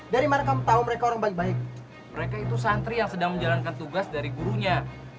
dari mana kamu tahu mereka orang baik baik mereka itu santri yang sedang menjalankan tugas dari gurunya